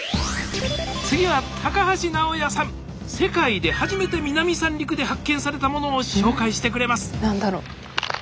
次は世界で初めて南三陸で発見されたものを紹介してくれます何だろう？